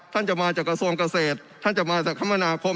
ท่านจะมาจากกระทรวงเกษตรท่านจะมาจากคมนาคม